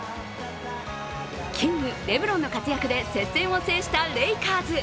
キング、レブロンの活躍で接戦を制したレイカーズ。